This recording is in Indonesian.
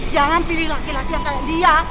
jangan pilih laki laki yang kayak dia